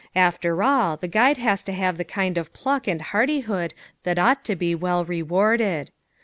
After all, the guide has to have the kind of pluck and hardihood that ought to be well rewarded.